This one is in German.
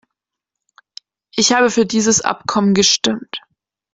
Ich habe für dieses Abkommen gestimmt.